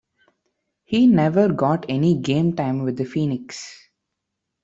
He never got any game time with the Phoenix.